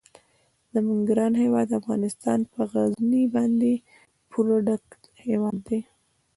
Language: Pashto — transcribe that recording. زموږ ګران هیواد افغانستان په غزني باندې پوره ډک هیواد دی.